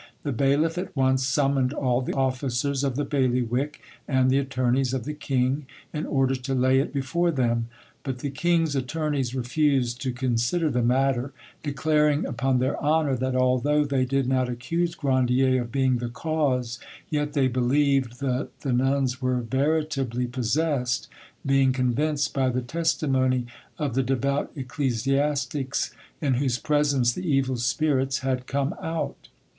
The bailiff at once summoned all the officers of the bailiwick and the attorneys of the king, in order to lay it before them; but the king's attorneys refused to consider the matter, declaring upon their honour that although they did not accuse Grandier of being the cause, yet they believed that the nuns were veritably possessed, being convinced by the testimony of the devout ecclesiastics in whose presence the evil spirits had come out.